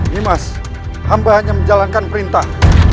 dimas hamba hanya menjalankan perintah